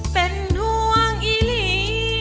เป็นห่วงอีหลี